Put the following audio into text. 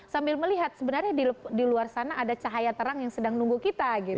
sambil melihat sebenarnya di luar sana ada cahaya terang yang sedang nunggu kita gitu